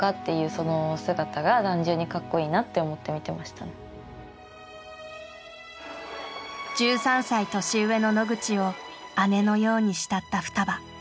それの中で１３歳年上の野口を姉のように慕ったふたば。